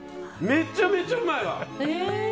めちゃめちゃうまいわ！